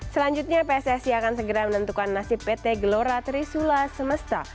selanjutnya pssi akan segera menentukan nasib pt glora trisula semesta